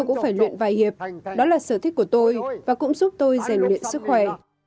tôi cũng phải luyện vài hiệp đó là sở thích của tôi và cũng giúp tôi rèn luyện sức khỏe